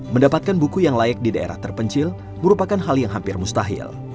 mendapatkan buku yang layak di daerah terpencil merupakan hal yang hampir mustahil